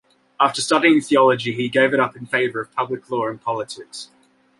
After studying theology, he gave it up in favour of public law and politics.